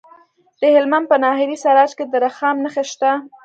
د هلمند په ناهري سراج کې د رخام نښې شته.